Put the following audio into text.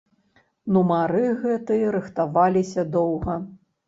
Нумары гэтыя рыхтаваліся доўга.